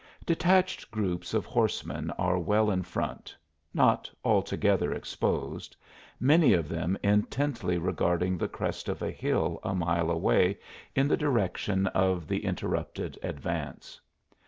Detached groups of horsemen are well in front not altogether exposed many of them intently regarding the crest of a hill a mile away in the direction of the interrupted advance.